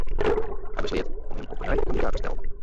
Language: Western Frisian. Hy besleat om him op 'e nij kandidaat te stellen.